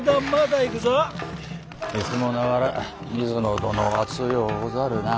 いつもながら水野殿は強うござるなあ。